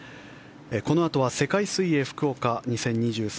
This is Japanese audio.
このあとは世界水泳福岡２０２３